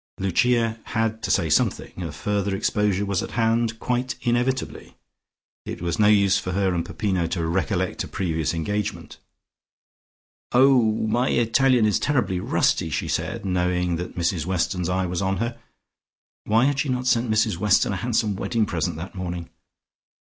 Lucia had to say something. A further exposure was at hand, quite inevitably. It was no use for her and Peppino to recollect a previous engagement. "Oh, my Italian is terribly rusty," she said, knowing that Mrs Weston's eye was on her.... Why had she not sent Mrs Weston a handsome wedding present that morning?